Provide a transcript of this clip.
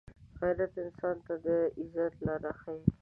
غیرت انسان ته د عزت لاره ښيي